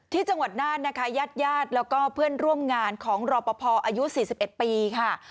ที่จังหวัดน่านนะคะญาติญาติแล้วก็เพื่อนร่วมงานของรอปภอายุ๔๑ปีค่ะ